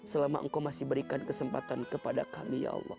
selama engkau masih berikan kesempatan kepada kami ya allah